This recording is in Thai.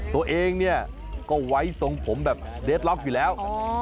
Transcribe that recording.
ตัวเองเนี่ยก็ไว้ทรงผมแบบเดสล็อกอยู่แล้ว